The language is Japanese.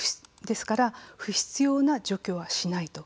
ですから不必要な除去はしないと。